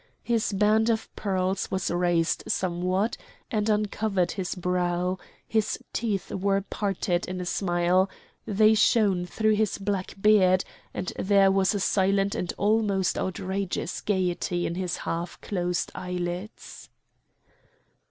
His band of pearls was raised somewhat, and uncovered his brow; his teeth were parted in a smile; they shone through his black beard, and there was a silent and almost outrageous gaiety in his half closed eyelids.